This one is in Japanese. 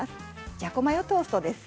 じゃこマヨトーストです。